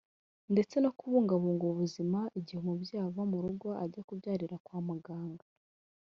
ndetse no kubungabunga ubuzima igihe umubyeyi ava mu rugo ajya kubyarira kwa muganga